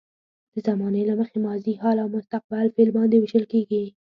د زمانې له مخې ماضي، حال او مستقبل فعل باندې ویشل کیږي.